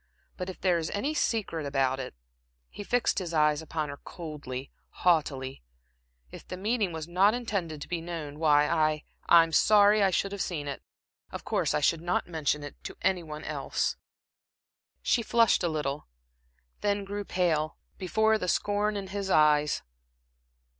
But if there is any secret about it" he fixed his eyes upon her coldly, haughtily "if the meeting was not intended to be known, why I I'm sorry I should have seen it. Of course I should not mention it to any one else." She flushed a little, then grew pale, before the scorn in his eyes.